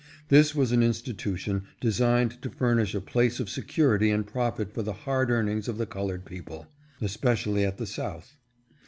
This was an institution designed to furnish a place of security and profit for the hard earnings of the colored people, especially at the South.